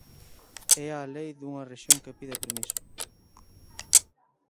É a lei dunha rexión que pide permiso.